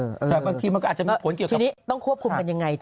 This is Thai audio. แต่บางทีมันก็อาจจะมีผลเกี่ยวกับทีนี้ต้องควบคุมกันยังไง